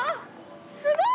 すごい！